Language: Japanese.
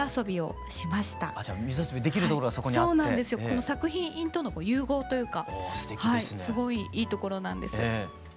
この作品との融合というかすごいいいところなんです。